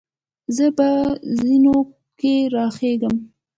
زۀ په زینو کې راخېږم.